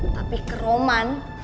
tapi ke roman